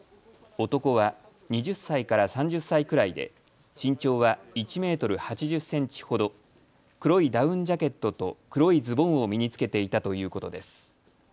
男は２０歳から３０歳くらいで身長は１メートル８０センチほど黒いダウンジャケットと黒いズボンを身に着けていたということです。